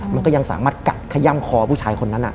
มันก็ยังสามารถกัดขย่ำคอผู้ชายคนนั้น